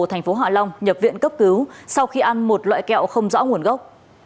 thành phố hạ long nhập viện cấp cứu sau khi ăn một loại kẹo không rõ nguồn gốc